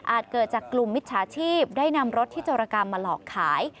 เกิดจากกลุ่มมิจฉาชีพได้นำรถที่จรกรรมมาหลอกขาย